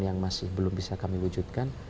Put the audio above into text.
yang masih belum bisa kami wujudkan